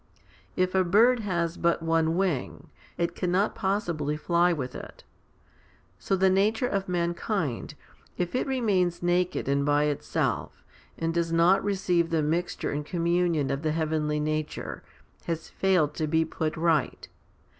If a bird has but one wing, it cannot possibly fly with it. So the nature of mankind, if it remains naked and by itself, and does not receive the mixture and communion of the heavenly nature, has failed to be put right.